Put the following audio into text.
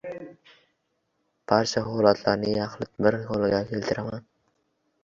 Barcha holatlarni yaxlit bir holga keltirmadi.